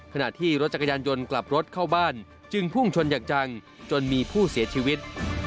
ขณะที่รถจักรยานยนต์กลับรถเข้าบ้านจึงพุ่งชนอย่างจังจนมีผู้เสียชีวิต